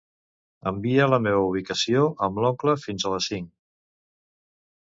Envia la meva ubicació amb l'oncle fins a les cinc.